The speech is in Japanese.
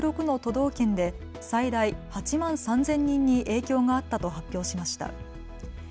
道県で最大８万３０００人に影響があったと発表しました。